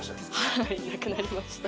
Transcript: はいなくなりました